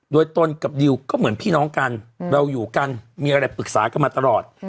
โดยตนกับดิวก็เหมือนพี่น้องกันเราอยู่กันมีอะไรปรึกษากันมาตลอด